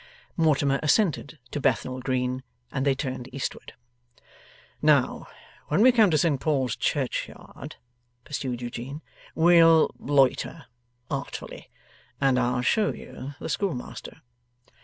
Mortimer assented to Bethnal Green, and they turned eastward. 'Now, when we come to St Paul's churchyard,' pursued Eugene, 'we'll loiter artfully, and I'll show you the schoolmaster.